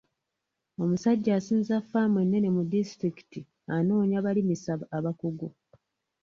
Omusajja asinza ffaamu ennene mu disitulikiti anoonya balimisa abakugu.